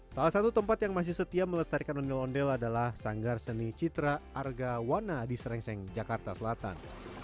salah satu tempat yang masih setia melestarikan ondel ondel adalah sanggar seni citra argawana di serengseng jakarta selatan